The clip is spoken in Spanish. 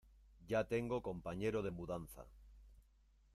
Ya tengo compañero de mudanza.